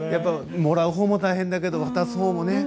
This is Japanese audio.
もらうほうも大変ですけど渡すほうもね。